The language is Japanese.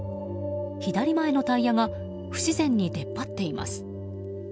左前のタイヤが不自然に出っ張っています。